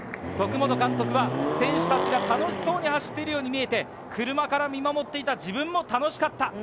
徳本監督は、選手たちが楽しそうに走っているように見えて、車から見守っていた自分も楽しかった。